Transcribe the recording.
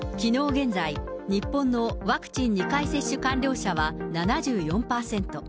現在、日本のワクチン２回接種完了者は７４％。